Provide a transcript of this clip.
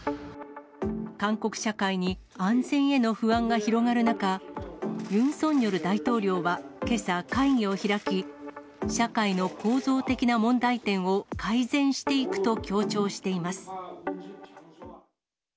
韓国社会に安全への不安が広がる中、ユン・ソンニョル大統領はけさ、会議を開き、社会の構造的な問題点を改善していくと強調しています。